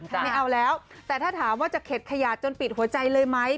ไม่เอาแล้วแต่ถ้าถามว่าจะเข็ดขยาดจนปิดหัวใจเลยไหม